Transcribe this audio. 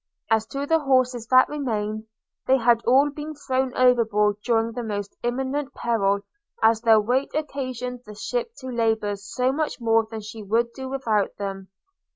As to the horses that remained, they had all been thrown overboard during the most imminent peril, as their weight occasioned the ship to labour so much more than she would do without them.